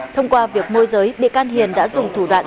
thông qua việc môi giới bị can hiền đã dùng thủ đoạn